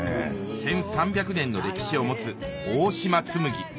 １３００年の歴史を持つ大島紬